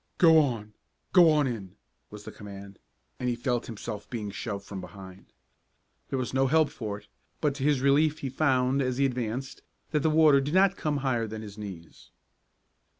"Go on! Go on in!" was the command and he felt himself being shoved from behind. There was no help for it, but to his relief he found, as he advanced, that the water did not come higher than his knees.